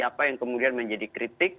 apa yang kemudian menjadi kritik